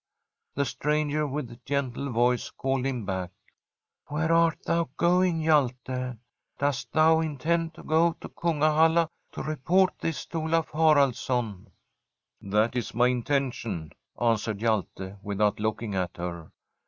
The stranger with gentle voice called him back. * Where art thou going, Hjalte ? Dost thou intend to go to Kungahalla to report this to Olaf Haraldsson ?'* That is my intention,' answered Hjalte, with out looking at her.